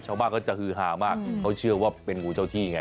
ชาวบ้านก็จะฮือฮามากเขาเชื่อว่าเป็นงูเจ้าที่ไง